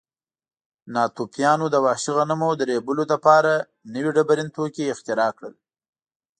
ناتوفیانو د وحشي غنمو د ریبلو لپاره نوي ډبرین توکي اختراع کړل.